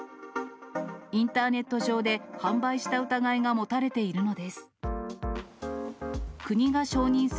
インターネット上で販売した疑いが持たれているのです。